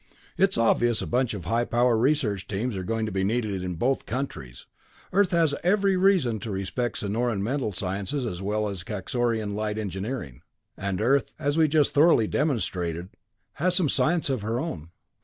"It's obvious a bunch of high power research teams are going to be needed in both countries. Earth has every reason to respect Sonoran mental sciences as well as Kaxorian light engineering. And Earth as we just thoroughly demonstrated has some science of her own.